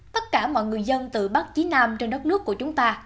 tất cả mọi người dân từ bắc chí nam trên đất nước của chúng ta